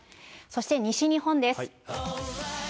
そして西日本です。